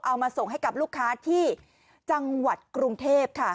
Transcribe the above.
เอามาส่งให้กับลูกค้าที่จังหวัดกรุงเทพค่ะ